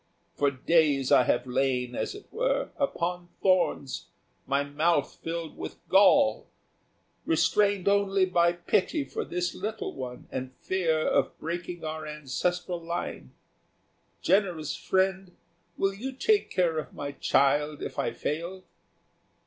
For days I have lain, as it were, upon thorns, my mouth filled with gall, restrained only by pity for this little one and fear of breaking our ancestral line. Generous friend, will you take care of my child if I fall?"